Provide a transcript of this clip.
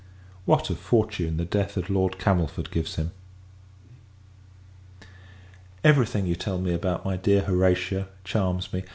What a fortune the death of Lord Camelford gives him! Every thing you tell me about my dear Horatia charms me.